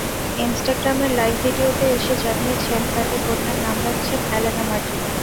ইনস্টাগ্রামের লাইভ ভিডিওতে এসে জানিয়েছেন, তাঁদের কন্যার নাম রাখছেন এলেনা মার্টিনা।